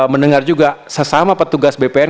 mendengar juga sesama petugas bpn